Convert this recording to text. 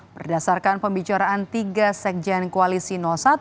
berdasarkan pembicaraan tiga sekjen koalisi satu